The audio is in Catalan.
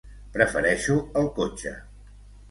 Prefereixo el cotxe.